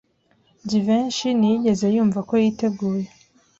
Jivency ntiyigeze yumva ko yiteguye.